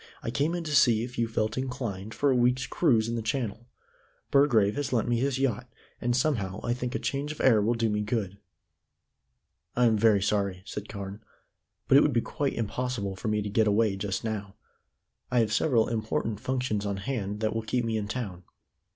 I came in to see if you felt inclined for a week's cruise in the Channel. Burgrave has lent me his yacht, and somehow I think a change of air will do me good." "I am very sorry," said Carne, "but it would be quite impossible for me to get away just now. I have several important functions on hand that will keep me in town."